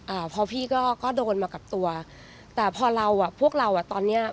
อ่าพอพี่ก็ก็โดนมากับตัวแต่พอเราอ่ะพวกเราอ่ะตอนเนี้ย